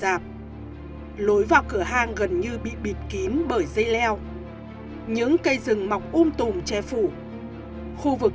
dạp lối vào cửa hàng gần như bị bịt kín bởi dây leo những cây rừng mọc um tùm che phủ khu vực